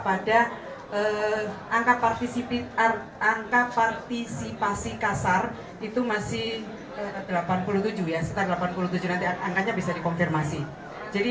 kartu wang kartu wang kartu wang kartu wang kartu wang kartu wang kartu wang kartu wang